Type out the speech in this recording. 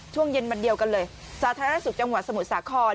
ช่วงเย็นวันเดียวกันเลยสาธารณสุขจังหวัดสมุทรสาคร